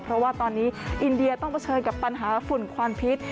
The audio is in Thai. เพราะว่าตอนนี้อินเดียต้องเผชิญกับปัญหาฝุ่นควันพิษ